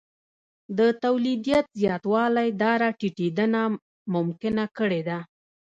د تولیدیت زیاتوالی دا راټیټېدنه ممکنه کړې ده